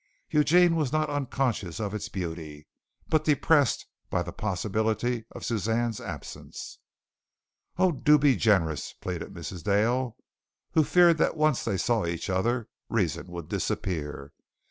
Eugene was not unconscious of its beauty, but depressed by the possibility of Suzanne's absence. "Oh, do be generous," pleaded Mrs. Dale, who feared that once they saw each other, reason would disappear.